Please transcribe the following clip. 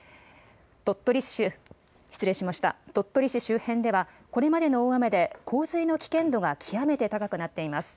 鳥取市、失礼しました、鳥取市周辺では、これまでの大雨で洪水の危険度が極めて高くなっています。